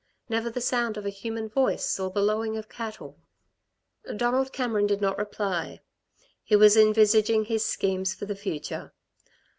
Never the sound of a human voice, or the lowing of cattle." Donald Cameron did not reply. He was envisaging his schemes for the future.